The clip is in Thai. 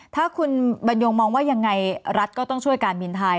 ถ้าคุณบรรยงมองว่ายังไงรัฐก็ต้องช่วยการบินไทย